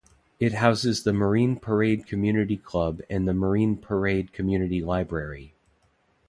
It houses the Marine Parade Community Club and the Marine Parade Community Library.